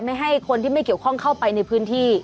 ไม่ให้คนที่ไม่เกี่ยวข้องเข้าไปในพื้นที่